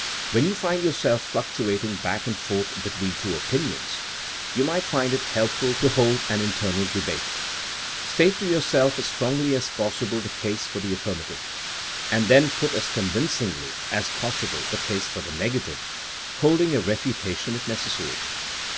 ''^ When you find yourself fluctuating back and forth between two opinions you might find it helpful to hold an internal debate. State to yourself as strongly as possible the case for the affirmative, and then put as convincingly as pos ^ Science and Education, 124 THINKINa AS A SCIENCE sible the case for the negative, holding a refu tation if necessary.